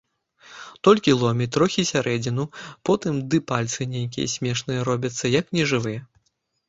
Толькі ломіць трохі сярэдзіну потым ды пальцы нейкія смешныя робяцца, як нежывыя.